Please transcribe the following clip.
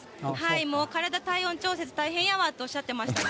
もう体、体温調節、大変やわっておっしゃってましたね。